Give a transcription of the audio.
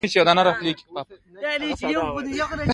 ده د سفرونو تکلیف منلای نه شوای.